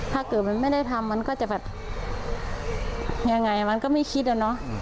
ถ้าเกิดมันไม่ได้ทำมันก็จะแบบยังไงมันก็ไม่คิดอะเนาะ